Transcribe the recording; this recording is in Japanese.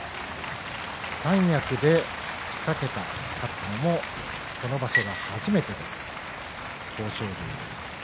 三役で２桁勝つのもこの場所が初めてです豊昇龍。